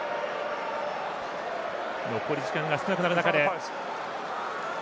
残り時間が少なくなる中で。